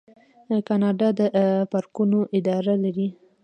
کاناډا د پارکونو اداره لري.